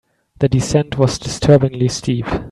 The descent was disturbingly steep.